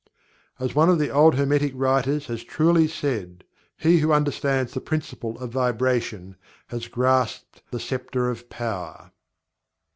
As one of the old Hermetic writers has truly said: "He who understands the Principle of Vibration, has grasped the scepter of Power."